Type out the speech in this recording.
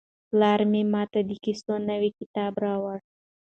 پلار مې ماته د کیسو نوی کتاب راوړ.